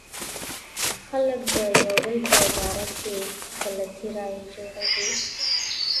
خلک د يو بل په باره کې غلطې رايې جوړوي.